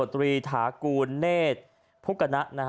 คุณผู้ชมไปฟังเสียงพร้อมกัน